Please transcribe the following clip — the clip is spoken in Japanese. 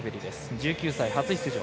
１９歳、初出場。